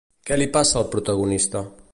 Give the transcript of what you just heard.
Què li passa al protagonista?